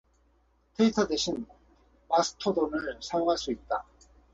트위터 대신 마스토돈을 사용할 수 있다.